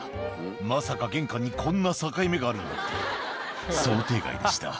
「まさか玄関にこんな境目があるなんて想定外でした」